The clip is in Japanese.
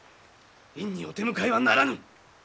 院にお手向かいはならぬ！